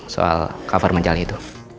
soal cover majalah itu